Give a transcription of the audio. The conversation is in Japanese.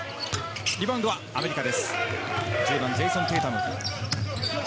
リバウンドはアメリカです。